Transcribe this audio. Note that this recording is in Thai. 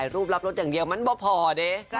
รูปรับรถอย่างเดียวมันก็พอดิ